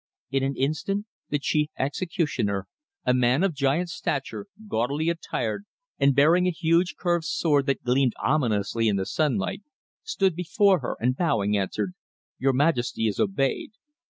In an instant the chief executioner, a man of giant stature, gaudily attired and bearing a huge curved sword that gleamed ominously in the sunlight, stood before her, and bowing, answered: "Your majesty is obeyed."